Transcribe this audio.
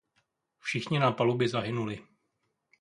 Všichni na palubě zahynuli.